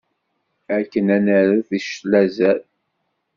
Akken ad d-nerret i ccetla azal.